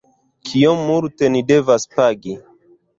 kiom multe ni devas pagi?